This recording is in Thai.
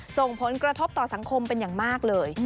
ส่งผลกระทบต่อสังคมเป็นอย่างมากเลย